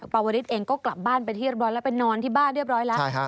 ปวริสเองก็กลับบ้านไปที่เรียบร้อยแล้วไปนอนที่บ้านเรียบร้อยแล้ว